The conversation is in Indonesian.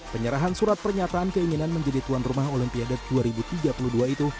penyerahan surat pernyataan keinginan menjadi tuan rumah olimpiade dua ribu tiga puluh dua itu